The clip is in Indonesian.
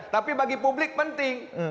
tapi bagi publik penting